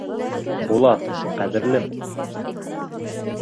Булат, ҡәҙерлем!